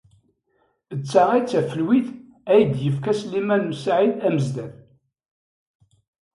D ta ay d tafelwit ay d-yekla Sliman u Saɛid Amezdat.